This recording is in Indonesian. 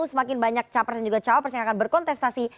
semakin banyak capresan juga cawapers yang akan berkontestasi